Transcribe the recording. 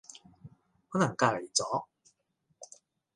可能隔離咗